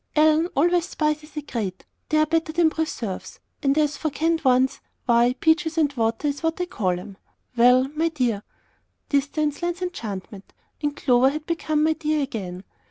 Ellen always spices a great They're better than preserves; and as for the canned ones, why, peaches and water is what I call them. Well my dear " (Distance lends enchantment, and Clover had become "My dear" again.)